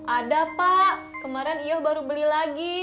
ada pak kemarin ya baru beli lagi